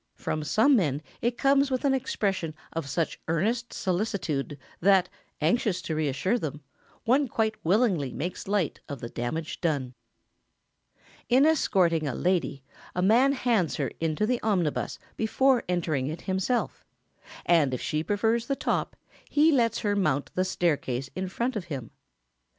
From some men it comes with an expression of such earnest solicitude that, anxious to reassure them, one quite willingly makes light of the damage done. [Sidenote: The lady first, entering and leaving.] In escorting a lady a man hands her into the omnibus before entering it himself; and if she prefers the top, he lets her mount the staircase in front of him.